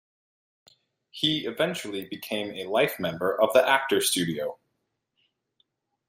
He eventually became a life member of The Actors Studio.